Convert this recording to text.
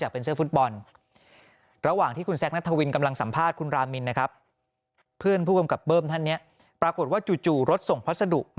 หยุดหยุดหยุดหยุดหยุดหยุดหยุดหยุดหยุด